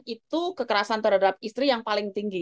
itu kekerasan terhadap istri yang paling tinggi